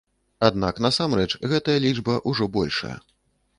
Аднак насамрэч, гэтая лічба ўжо большая.